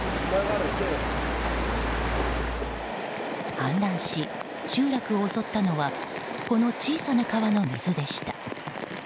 氾濫し、集落を襲ったのはこの小さな川の水でした。